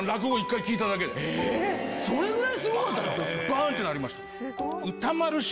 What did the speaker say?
バン！ってなりました。